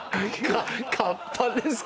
カッパですか？